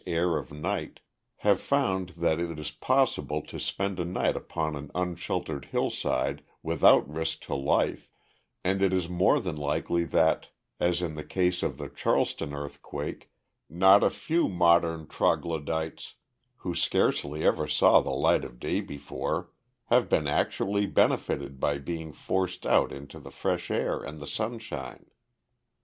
air of night, have found that it is possible to spend a night upon an unsheltered hillside without risk to life, and it is more than likely that, as in the case of the Charleston earthquake, not a few modern troglodytes, who scarcely ever saw the light of day before, have been actually benefited by being forced out into the fresh air and the sunshine.